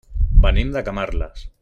Venim de Camarles.